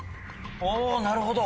おなるほど。